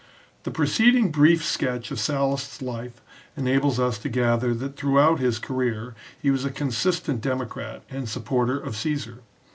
The preceding brief sketch of Sallust's life enables us to gather that throughout his career he was a consistent democrat and supporter of Caesar.